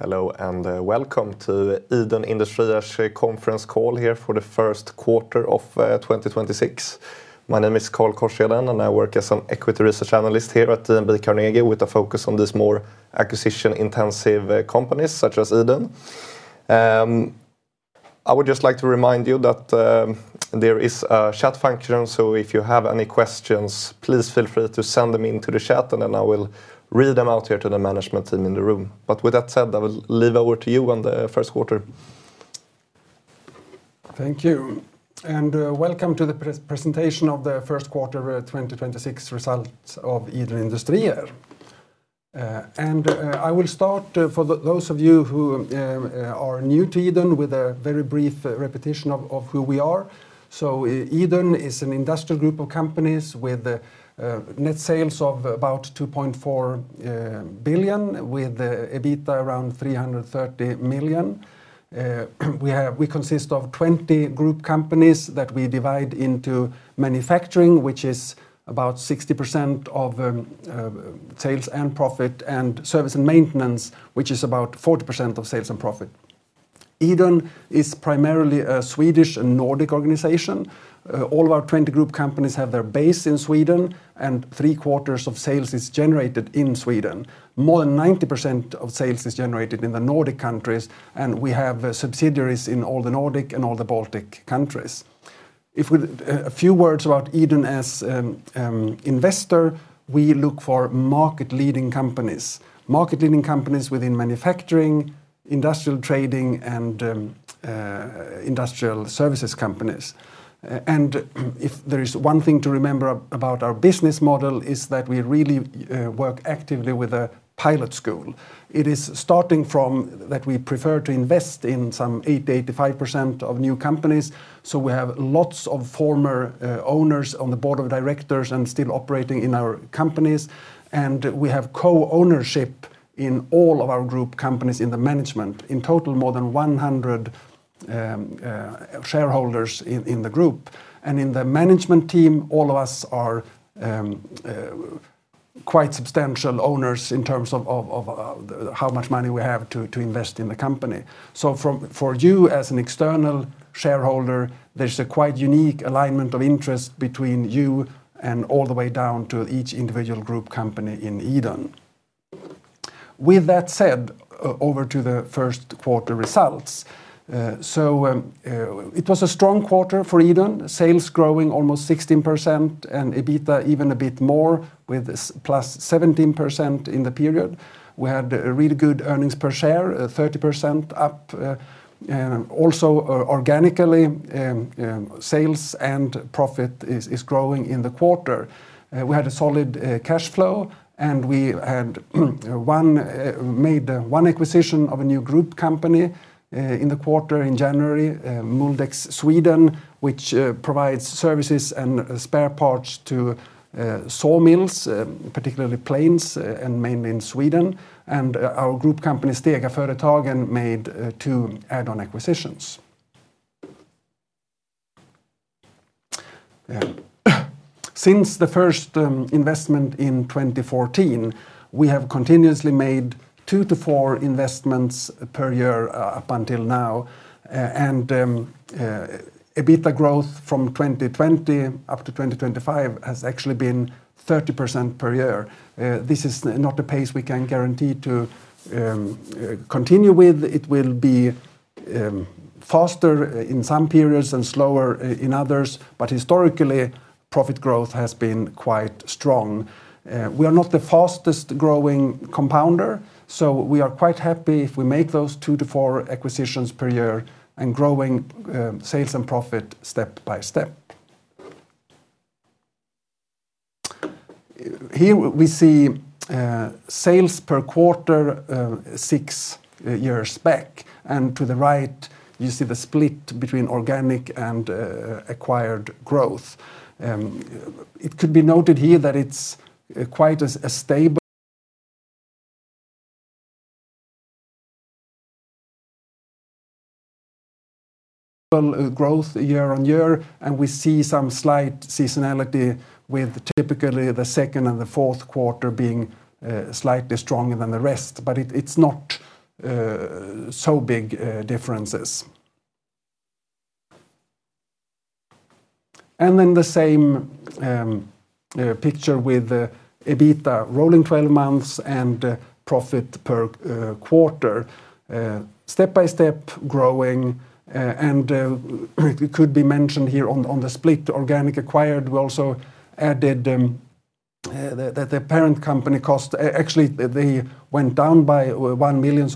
Hello, welcome to Idun Industrier's conference call here for the first quarter of 2026. My name is Carl Korsheden, and I work as an equity research analyst here at DNB Carnegie, with a focus on these more acquisition-intensive companies such as Idun. I would just like to remind you that there is a chat function, so if you have any questions, please feel free to send them into the chat, and then I will read them out here to the management team in the room. With that said, I will leave over to you on the first quarter. Thank you, welcome to the presentation of the first quarter 2026 results of Idun Industrier. I will start for those of you who are new to Idun with a very brief repetition of who we are. Idun is an industrial group of companies with net sales of about 2.4 billion, with EBITDA around 330 million. We consist of 20 group companies that we divide into manufacturing, which is about 60% of sales and profit, and service and maintenance, which is about 40% of sales and profit. Idun is primarily a Swedish and Nordic organization. All of our 20 group companies have their base in Sweden, three-quarters of sales is generated in Sweden. More than 90% of sales is generated in the Nordic countries, and we have subsidiaries in all the Nordic and all the Baltic countries. A few words about Idun as investor, we look for market-leading companies, market-leading companies within manufacturing, industrial trading, and industrial services companies. If there is one thing to remember about our business model, it's that we really work actively with a pilot school. It is starting from that we prefer to invest in some 80%-85% of new companies, so we have lots of former owners on the board of directors and still operating in our companies, and we have co-ownership in all of our group companies in the management. In total, more than 100 shareholders in the group, and in the management team, all of us are quite substantial owners in terms of how much money we have to invest in the company. For you as an external shareholder, there's a quite unique alignment of interest between you and all the way down to each individual group company in Idun. With that said, over to the first quarter results. It was a strong quarter for Idun, sales growing almost 16%, and EBITDA even a bit more, with plus 17% in the period. We had really good earnings per share, 30% up. Organically, sales and profit is growing in the quarter. We had a solid cash flow. We made one acquisition of a new group company in the quarter in January, Mouldex Sweden, which provides services and spare parts to sawmills, particularly planes and mainly in Sweden. Our group company Stegaföretagen made two add-on acquisitions. Since the first investment in 2014, we have continuously made 2-4 investments per year up until now. EBITDA growth from 2020 up to 2025 has actually been 30% per year. This is not a pace we can guarantee to continue with. It will be faster in some periods and slower in others, but historically, profit growth has been quite strong. We are not the fastest-growing compounder, so we are quite happy if we make those 2-4 acquisitions per year and growing sales and profit step by step. Here, we see sales per quarter, six years back, and to the right, you see the split between organic and acquired growth. It could be noted here that it's quite as a stable growth year-on-year, and we see some slight seasonality with typically the second and the fourth quarter being slightly stronger than the rest. But it's not so big differences. Then the same picture with EBITDA, rolling 12 months, and profit per quarter, step-by-step growing. It could be mentioned here on the split organic acquired, we also added the parent company cost. Actually, they went down by 1 million,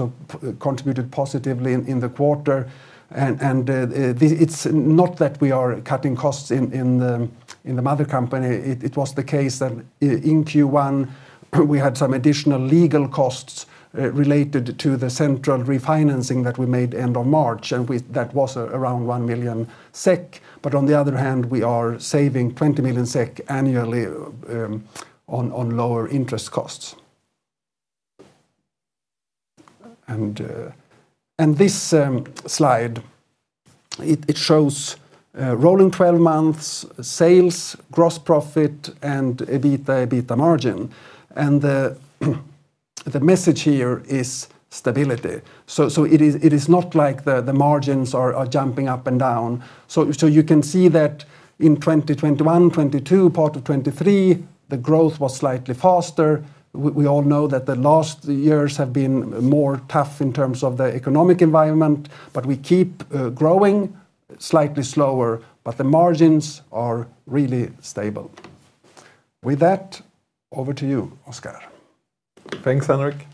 contributed positively in the quarter. It's not that we are cutting costs in the mother company. It was the case that in Q1, we had some additional legal costs related to the central refinancing that we made end of March, that was around 1 million SEK. On the other hand, we are saving 20 million SEK annually on lower interest costs. This slide. It shows rolling 12 months sales, gross profit, EBITDA margin. The message here is stability. It is not like the margins are jumping up and down. You can see that in 2021, 2022, part of 2023, the growth was slightly faster. We all know that the last years have been more tough in terms of the economic environment, but we keep growing slightly slower, but the margins are really stable. With that, over to you, Oskar. Thanks, Henrik.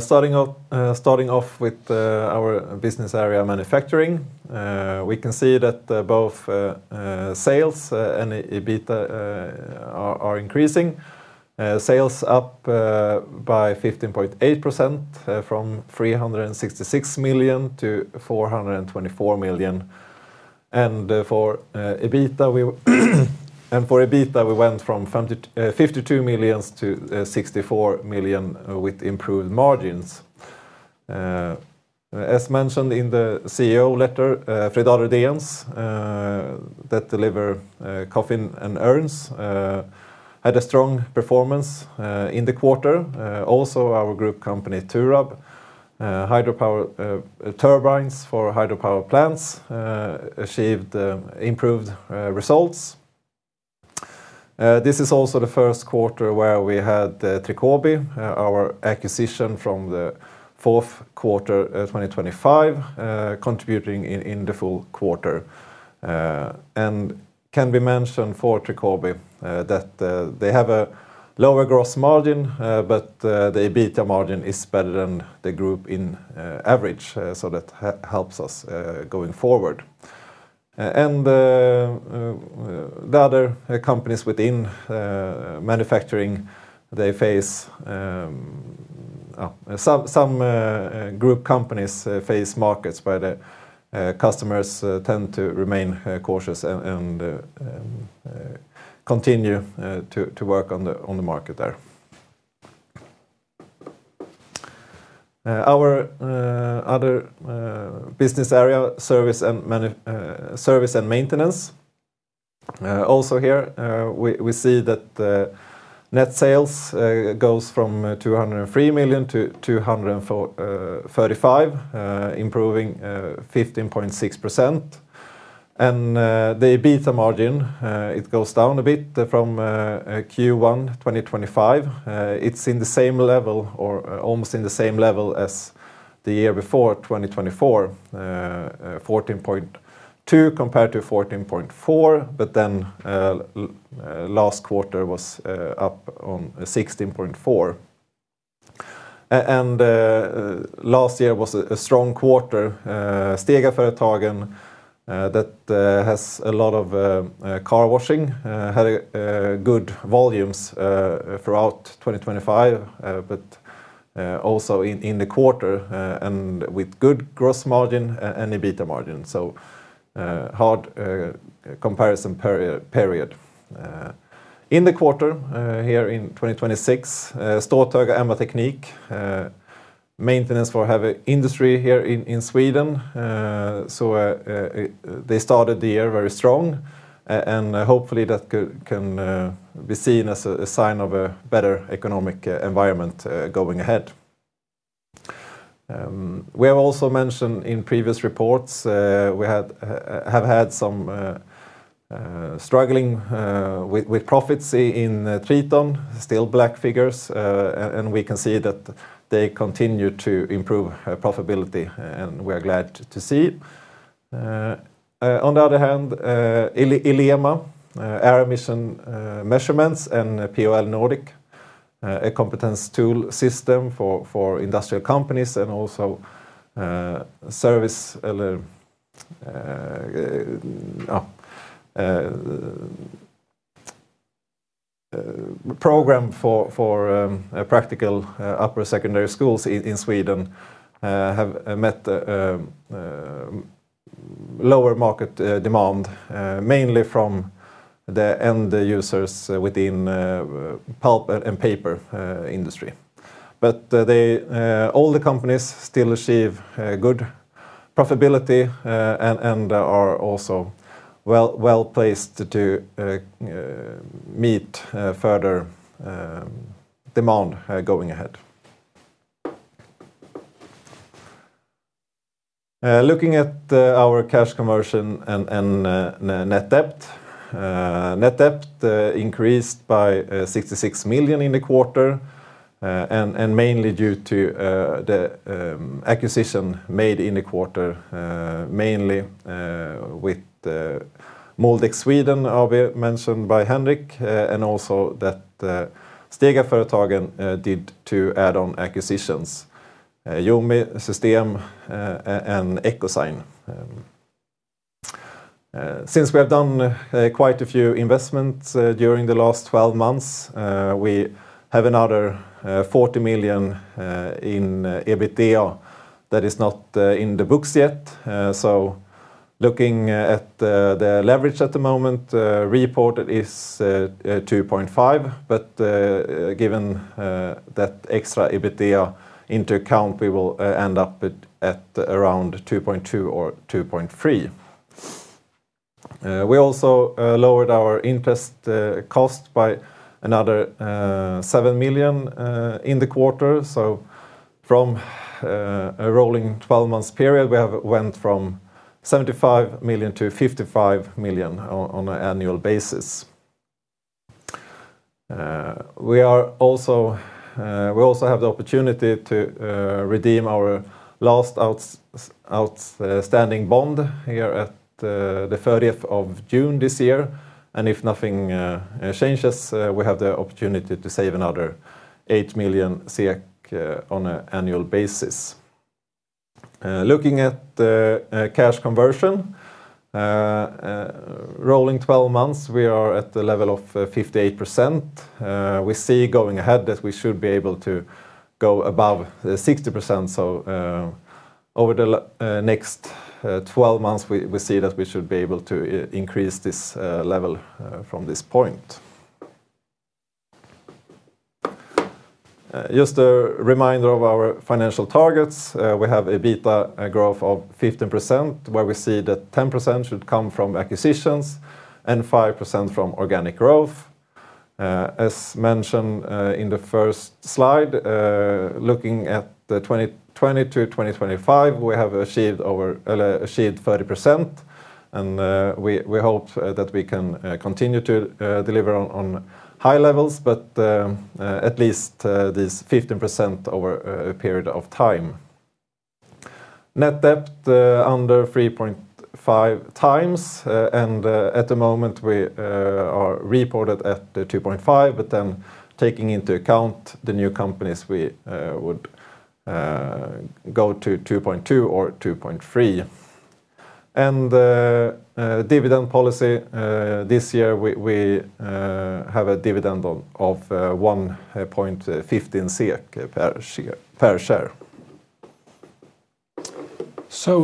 Starting off with our business area manufacturing, we can see that both sales and EBITDA are increasing. Sales up by 15.8%, from 366 million to 424 million. For EBITDA, we went from 52 million to 64 million with improved margins. As mentioned in the CEO letter, Fredahl Rydéns, that deliver coffin and urns, had a strong performance in the quarter. Also our group company TURAB, hydropower turbines for hydropower plants, achieved improved results. This is also the first quarter where we had Trikåby, our acquisition from the fourth quarter 2025, contributing in the full quarter. Can be mentioned for Trikåby, that they have a lower gross margin, but the EBITDA margin is better than the group in average. That helps us going forward. The other companies within manufacturing, they face some group companies face markets where the customers tend to remain cautious and continue to work on the market there. Our other business area, service and maintenance, also here, we see that net sales goes from 203 million to 235 million, improving 15.6%. The EBITDA margin, it goes down a bit from Q1 2025. It's in the same level or almost in the same level as the year before, 2024, 14.2% compared to 14.4%. Last quarter was up on 16.4%. Last year was a strong quarter. Stegaföretagen, that has a lot of car washing, had good volumes throughout 2025, but also in the quarter, and with good gross margin and EBITDA margin. Hard comparison period. In the quarter, here in 2026, Ståthöga MA Teknik, maintenance for heavy industry here in Sweden, they started the year very strong. Hopefully that can be seen as a sign of a better economic environment going ahead. We have also mentioned in previous reports, we have had some struggling with profits in Triton, still black figures. We can see that they continue to improve profitability, and we are glad to see. On the other hand, ILEMA air emission measurements and P&L Nordic, a competence tool system for industrial companies and also service program for practical upper secondary schools in Sweden, have met lower market demand mainly from the end users within pulp and paper industry. They all the companies still achieve good profitability and are also well-placed to meet further demand going ahead. Looking at our cash conversion and net debt. Net debt increased by 66 million in the quarter, mainly due to the acquisition made in the quarter, mainly with Mouldex Sweden AB mentioned by Henrik, and also that Stegaföretagen did two add-on acquisitions, JoMi System and Ecosign. Since we have done quite a few investments during the last 12 months, we have another 40 million in EBITDA that is not in the books yet. Looking at the leverage at the moment, reported is 2.5. Given that extra EBITDA into account, we will end up at around 2.2 or 2.3. We also lowered our interest cost by another 7 million in the quarter. From a rolling 12 months period, we have went from 75 million to 55 million on an annual basis. We are also, we also have the opportunity to redeem our last outstanding bond here at the 30th of June this year. If nothing changes, we have the opportunity to save another 8 million SEK on an annual basis. Looking at cash conversion, rolling 12 months, we are at the level of 58%. We see going ahead that we should be able to go above the 60%. Over the next 12 months, we see that we should be able to increase this level from this point. Just a reminder of our financial targets. We have EBITDA growth of 15%, where we see that 10% should come from acquisitions and 5% from organic growth. As mentioned in the first slide, looking at the 2020 to 2025, we have achieved 30%, we hope that we can continue to deliver on high levels, but at least this 15% over a period of time. Net debt under 3.5x, at the moment we are reported at 2.5x. Taking into account the new companies, we would go to 2.2 or 2.3. Dividend policy, this year we have a dividend of 1.15 SEK per share.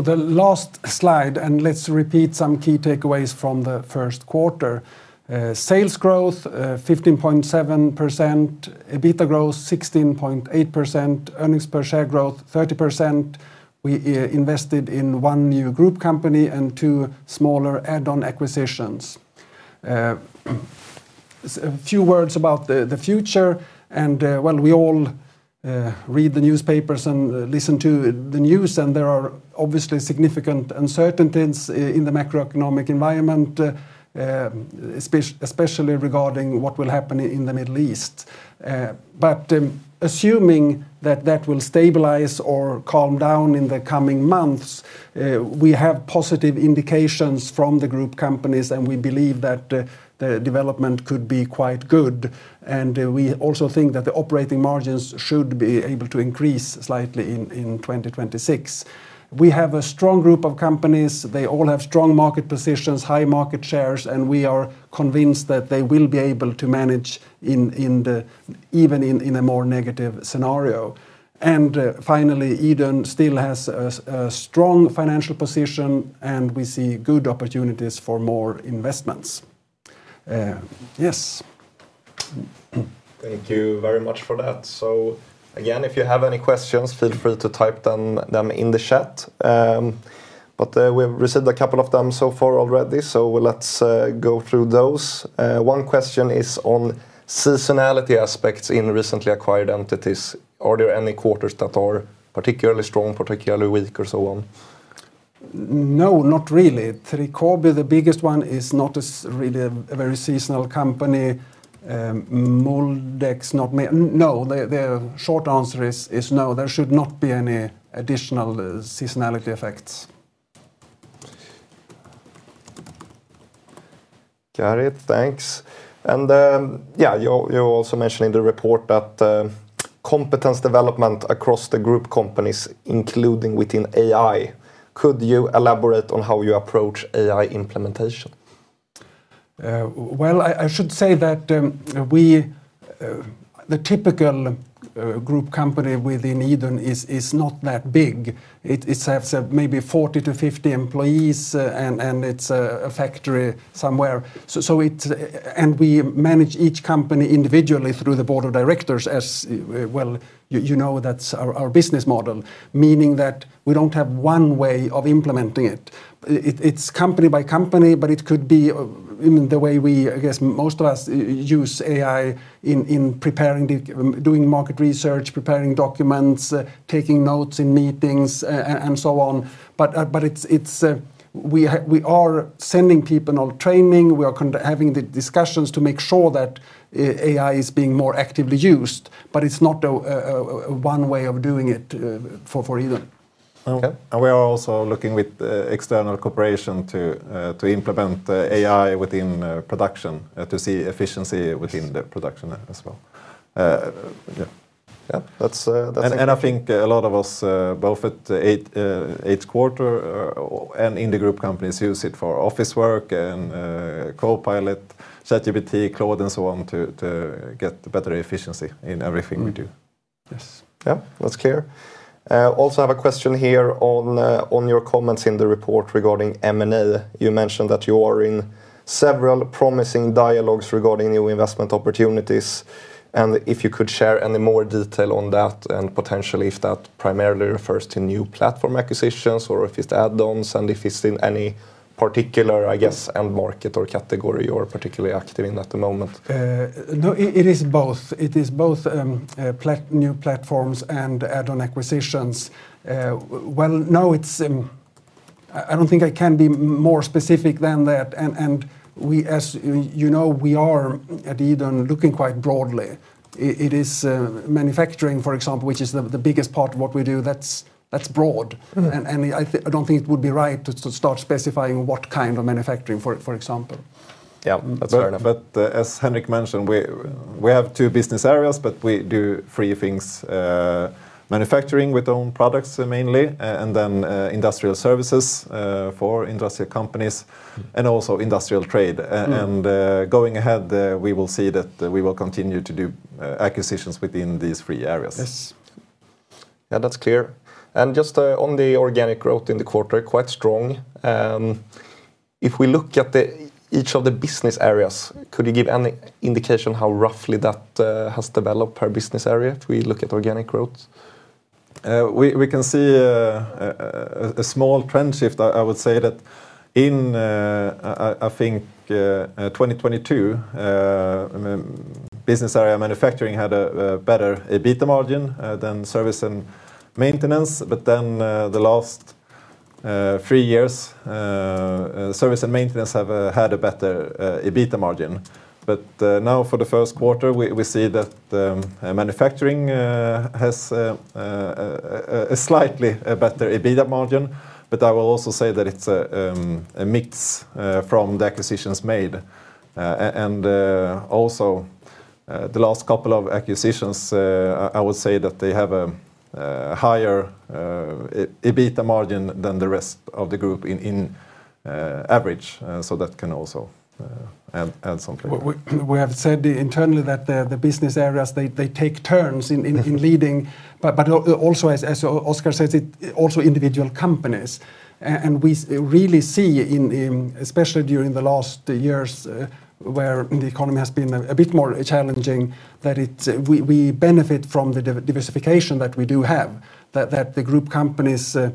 The last slide, let's repeat some key takeaways from the first quarter. Sales growth, 15.7%, EBITDA growth 16.8%, earnings per share growth 30%. We invested in one new group company and two smaller add-on acquisitions. A few words about the future, well, we all read the newspapers and listen to the news, there are obviously significant uncertainties in the macroeconomic environment, especially regarding what will happen in the Middle East. But, assuming that that will stabilize or calm down in the coming months, we have positive indications from the group companies, we believe that the development could be quite good. We also think that the operating margins should be able to increase slightly in 2026. We have a strong group of companies. They all have strong market positions, high market shares, and we are convinced that they will be able to manage in the even in a more negative scenario. Finally, Idun still has a strong financial position, and we see good opportunities for more investments. Yes. Thank you very much for that. Again, if you have any questions, feel free to type them in the chat. We've received a couple of them so far already, let's go through those. One question is on seasonality aspects in recently acquired entities. Are there any quarters that are particularly strong, particularly weak or so on? No, not really. Trikåby, the biggest one, is not really a very seasonal company, Mouldex. The short answer is no, there should not be any additional seasonality effects. Got it. Thanks. Yeah, you're also mentioning the report that competence development across the group companies, including within AI. Could you elaborate on how you approach AI implementation? Well, I should say that we, the typical group company within Idun is not that big. It has maybe 40 to 50 employees, and it's a factory somewhere. We manage each company individually through the board of directors as, well, you know that's our business model, meaning that we don't have one way of implementing it. It's company by company, but it could be in the way I guess most of us use AI in preparing the doing market research, preparing documents, taking notes in meetings, and so on. But it's, we are sending people on training. We are having the discussions to make sure that AI is being more actively used, but it's not one way of doing it for Idun. Okay. We are also looking with external cooperation to implement the AI within production to see efficiency within the production as well. Yeah. Yeah. I think a lot of us, both at eighth quarter, and in the group companies use it for office work and, Copilot, ChatGPT, Claude and so on to get better efficiency in everything we do. Yes. Yeah, that's clear. Also have a question here on your comments in the report regarding M&A. You mentioned that you are in several promising dialogues regarding new investment opportunities, and if you could share any more detail on that, and potentially if that primarily refers to new platform acquisitions or if it's add-ons, and if it's in any particular, I guess, end market or category you're particularly active in at the moment? No, it is both. It is both new platforms and add-on acquisitions. Well, no, I don't think I can be more specific than that. We, as you know, are, at Idun, looking quite broadly. It is manufacturing, for example, which is the biggest part of what we do. That's broad. I don't think it would be right to start specifying what kind of manufacturing, for example. Yeah, that's fair enough. As Henrik mentioned, we have two business areas, we do three things, manufacturing with own products, mainly, and then, industrial services, for industrial companies, and also industrial trade. Going ahead, we will see that we will continue to do acquisitions within these three areas. Yes. Yeah, that's clear. Just on the organic growth in the quarter, quite strong. If we look at each of the business areas, could you give any indication how roughly that has developed per business area if we look at organic growth? We can see a small trend shift. I would say that in 2022, I mean, business area manufacturing had a better EBITDA margin than service and maintenance. The last three years, service and maintenance have had a better EBITDA margin. Now, for the 1st quarter, we see that manufacturing has a slightly better EBITDA margin, but I will also say that it's a mix from the acquisitions made. Also, the last couple of acquisitions, I would say that they have a higher EBITDA margin than the rest of the group in average. That can also add something. We have said internally that the business areas, they take turns in leading. Also, as Oskar says, it also individual companies. And we really see in especially during the last years, where the economy has been a bit more challenging, that it's, we benefit from the diversification that we do have. That the group companies are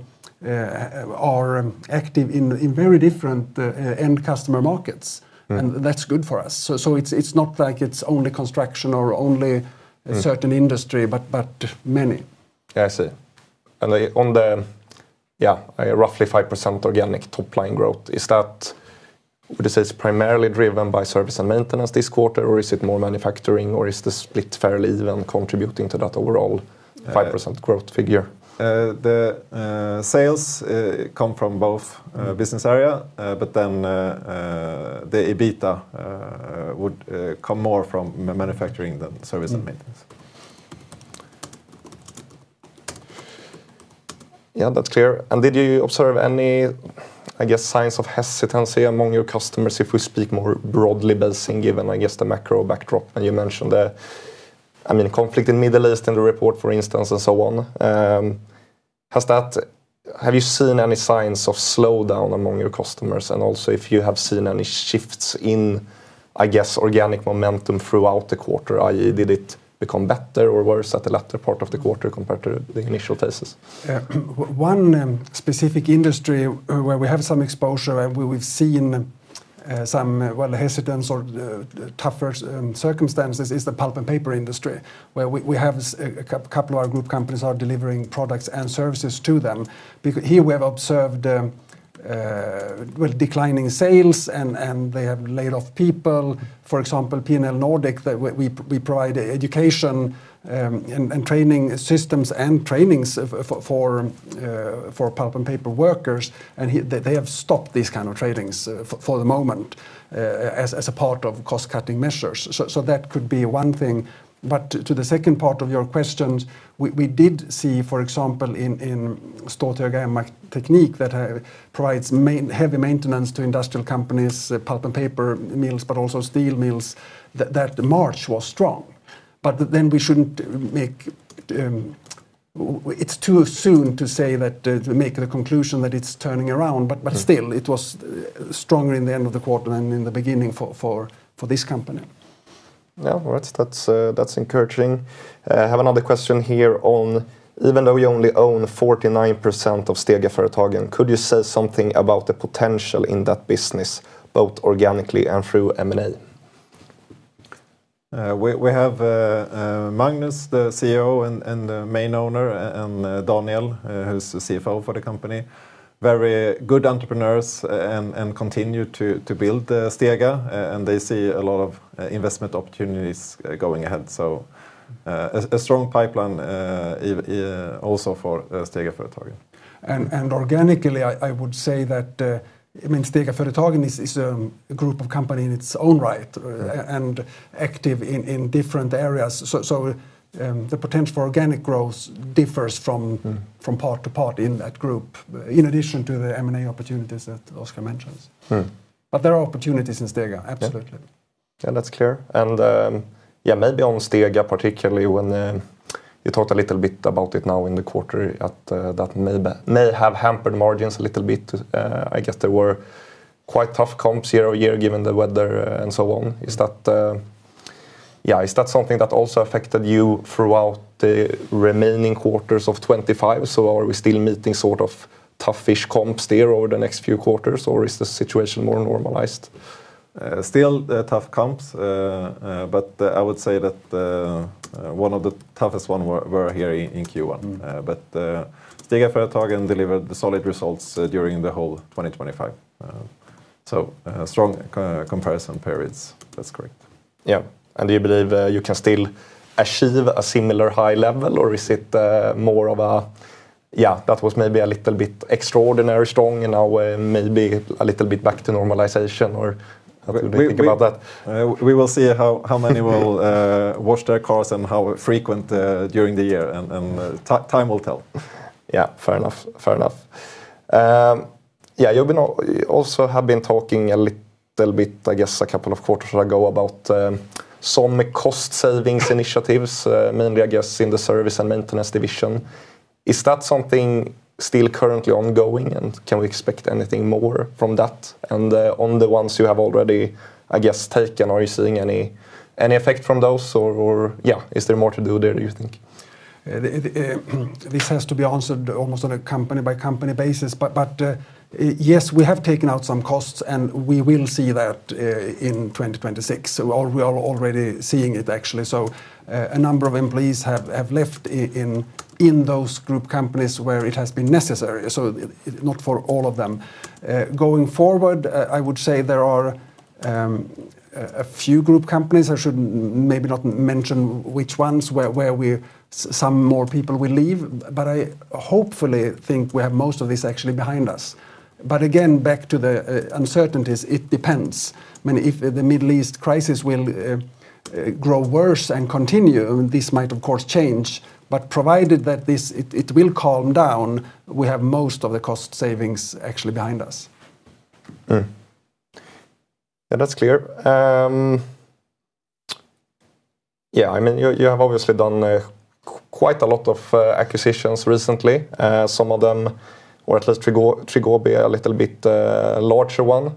active in very different end customer markets. Mm-hmm. That's good for us. It's not like it's only construction or only a certain industry, but many. Yeah, I see. On the, yeah, roughly 5% organic top line growth, is that, would you say, is primarily driven by service and maintenance this quarter, or is it more manufacturing, or is the split fairly even contributing to that overall 5% growth figure? The sales come from both business area. The EBITDA would come more from manufacturing than service and maintenance. Yeah, that's clear. Did you observe any, I guess, signs of hesitancy among your customers, if we speak more broadly basing, given, I guess, the macro backdrop? You mentioned the, I mean, conflict in Middle East in the report, for instance, and so on. Have you seen any signs of slowdown among your customers? Also, if you have seen any shifts in, I guess, organic momentum throughout the quarter? I.e., did it become better or worse at the latter part of the quarter compared to the initial thesis? One specific industry where we have some exposure and where we've seen, well, some hesitance or tougher circumstances is the pulp and paper industry, where we have a couple of our group companies are delivering products and services to them. Here, we have observed, well, declining sales and they have laid off people. For example, P&L Nordic, we provide education and training systems and trainings for pulp and paper workers, and they have stopped these kind of trainings for the moment as a part of cost cutting measures. That could be one thing. To the second part of your questions, we did see, for example, in Ståthöga MA Teknik that provides heavy maintenance to industrial companies, pulp and paper mills, but also steel mills, that March was strong. It's too soon to say that to make the conclusion that it's turning around. Still, it was stronger in the end of the quarter than in the beginning for this company. Yeah. Well, that's encouraging. I have another question here on, even though you only own 49% of Stegaföretagen, could you say something about the potential in that business, both organically and through M&A? We have Magnus, the CEO and the main owner, and Daniel, who's the CFO for the company, very good entrepreneurs and continue to build Stega, and they see a lot of investment opportunities going ahead. A strong pipeline also for Stegaföretagen. Organically, I would say that, I mean, Stegaföretagen is a group of company in its own right, and active in different areas. The potential for organic growth differs from. Mm-hmm... from part to part in that group, in addition to the M&A opportunities that Oskar mentions. Hmm. There are opportunities in Stega, absolutely. Yeah, that's clear. Yeah, maybe on Stega particularly when you talked a little bit about it now in the quarter at that may have hampered margins a little bit. I guess they were quite tough comps year-over-year given the weather and so on. Is that, yeah, is that something that also affected you throughout the remaining quarters of 2025? Are we still meeting sort of tough-ish comps there over the next few quarters, or is the situation more normalized? Still, tough comps. I would say that one of the toughest one were here in Q1. Stegaföretagen delivered the solid results during the whole 2025. Strong co- comparison periods. That's correct. Yeah. Do you believe, you can still achieve a similar high level, or is it, more of a, yeah, that was maybe a little bit extraordinary strong and now, maybe a little bit back to normalization, or how do we think about that? We will see how many wash their cars and how frequent, during the year, and time will tell. Yeah, fair enough. Fair enough. You've also have been talking a little bit, I guess, a couple of quarters ago about some cost savings initiatives, mainly, I guess, in the service and maintenance division. Is that something still currently ongoing, and can we expect anything more from that? On the ones you have already, I guess, taken, are you seeing any effect from those? Is there more to do there, do you think? This has to be answered almost on a company by company basis. Yes, we have taken out some costs, and we will see that in 2026. We are already seeing it, actually. A number of employees have left in those group companies where it has been necessary, not for all of them. Going forward, I would say there are a few group companies, I should maybe not mention which ones, where some more people will leave. I hopefully think we have most of this actually behind us. Again, back to the uncertainties, it depends. I mean, if the Middle East crisis will grow worse and continue, this might of course change. Provided that this, it will calm down, we have most of the cost savings actually behind us. Yeah, that's clear. Yeah, I mean, you have obviously done quite a lot of acquisitions recently. Some of them, or at least Trikåby, are a little bit larger one.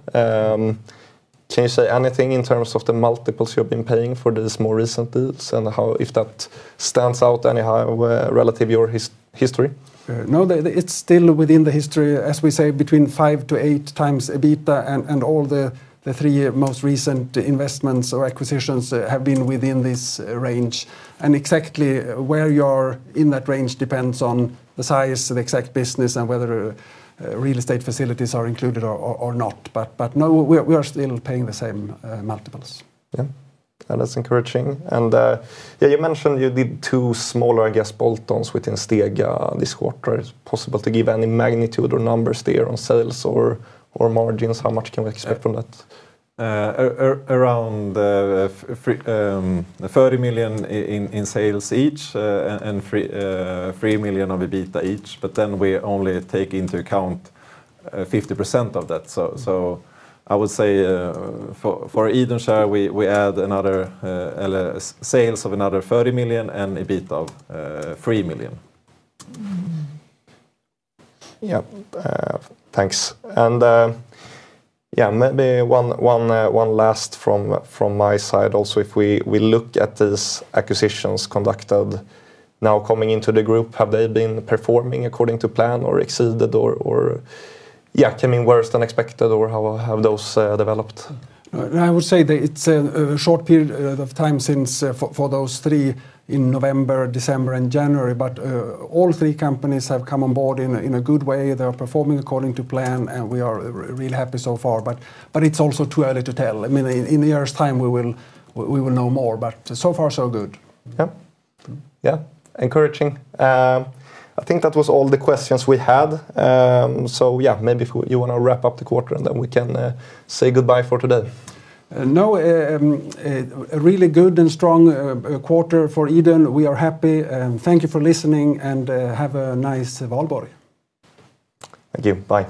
Can you say anything in terms of the multiples you've been paying for these more recent deals, and how if that stands out anyhow relative your history? No. It's still within the history, as we say, between 5x to 8x EBITDA, and all the three most recent investments or acquisitions have been within this range. Exactly where you are in that range depends on the size of the exact business and whether real estate facilities are included or not. No, we are still paying the same multiples. Yeah. That's encouraging. Yeah, you mentioned you did two smaller, I guess, bolt-ons within Stega this quarter. Is it possible to give any magnitude or numbers there on sales or margins? How much can we expect from that? Around 30 million in sales each, and 3 million of EBITDA each. We only take into account 50% of that. I would say for Idun Industrier, we add another sales of another 30 million and EBITDA of 3 million. Yeah. Thanks. Yeah, maybe one last from my side. Also, if we look at these acquisitions conducted now coming into the group, have they been performing according to plan or exceeded or, yeah, coming worse than expected, or how have those developed? I would say that it's a short period of time since for those three in November, December, and January. All three companies have come on board in a good way. They are performing according to plan, and we are real happy so far. But it's also too early to tell. I mean, in a year's time, we will know more. So far so good. Yeah. Yeah. Encouraging. I think that was all the questions we had. Yeah, maybe if you want to wrap up the quarter, and then we can say goodbye for today. No, a really good and strong quarter for Idun. We are happy. Thank you for listening, and have a nice Valborg. Thank you. Bye.